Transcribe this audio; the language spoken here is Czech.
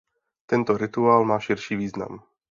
Tento rituál má širší význam.